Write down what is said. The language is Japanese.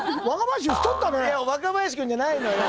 いや若林君じゃないのよ。